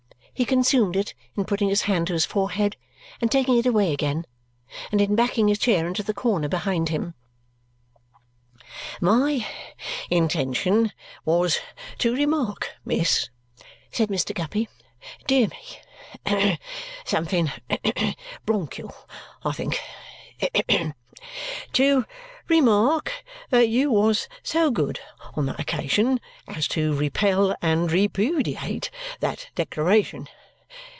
He consumed it in putting his hand to his forehead and taking it away again, and in backing his chair into the corner behind him. "My intention was to remark, miss," said Mr. Guppy, "dear me something bronchial, I think hem! to remark that you was so good on that occasion as to repel and repudiate that declaration.